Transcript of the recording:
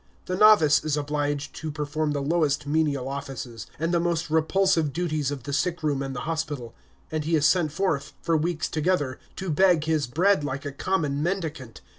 The novice is obliged to perform the lowest menial offices, and the most repulsive duties of the sick room and the hospital; and he is sent forth, for weeks together, to beg his bread like a common mendicant.